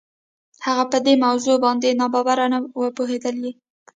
هغه په دې موضوع باندې ناببره نه و پوهېدلی.